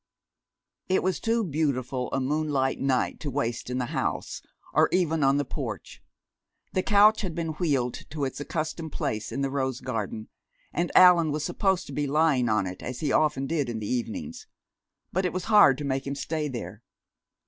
It was too beautiful a moonlight night to waste in the house, or even on the porch. The couch had been wheeled to its accustomed place in the rose garden, and Allan was supposed to be lying on it as he often did in the evenings. But it was hard to make him stay there.